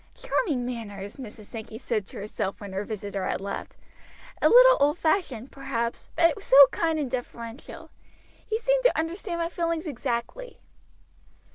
"Charming manners!" Mrs. Sankey said to herself when her visitor had left. "A little old fashioned, perhaps, but so kind and deferential. He seemed to understand my feelings exactly."